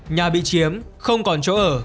nhà bị chiếm không còn chỗ ở